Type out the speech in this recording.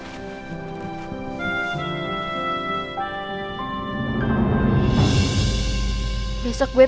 pangeran batu bata